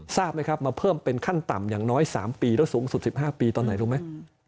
ทราบไหมครับมาเพิ่มเป็นขั้นต่ำอย่างน้อย๓ปีแล้วสูงสุด๑๕ปีตอนไหนรู้ไหม